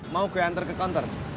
mau gue antar ke konter